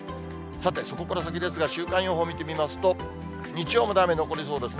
さて、そこから先ですが、週間予報見てみますと、日曜まで雨残りそうですね。